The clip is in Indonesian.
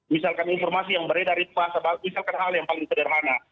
misalkan informasi yang berada di masa misalkan hal yang paling sederhana soal mitigasinya